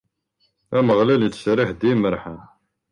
Ameɣlal ittserriḥ-d i yimerhan.